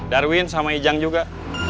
darwin sama ijang juga